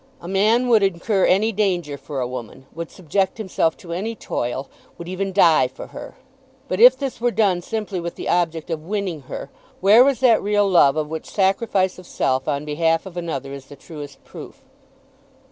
A man would incur any danger for a woman, would subject himself to any toil, would even die for her! But if this were done simply with the object of winning her, where was that real love of which sacrifice of self on behalf of another is the truest proof?